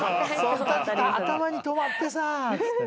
「頭に止まってさ」って。